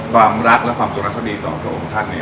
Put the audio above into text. ความรักและความจงรักภักดีต่อพระองค์ท่าน